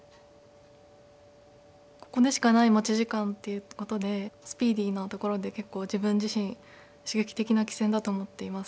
ここでしかない持ち時間ということでスピーディーなところで結構自分自身刺激的な棋戦だと思っています。